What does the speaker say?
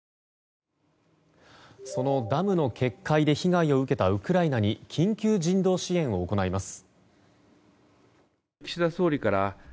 そのダムの決壊で被害を受けたウクライナに緊急人道支援を行います。